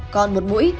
còn một mũi